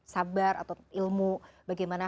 sabar atau ilmu bagaimana